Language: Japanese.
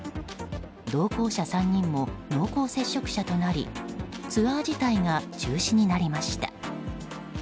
同行者３人も濃厚接触者となりツアー自体が中止になりました。